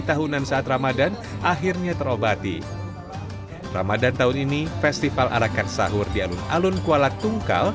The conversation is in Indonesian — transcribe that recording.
tahunan saat ramadhan akhirnya terobati ramadan tahun ini festival arakan sahur di alun alun kuala tungkal